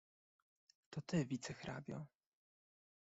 "to ty wicehrabio."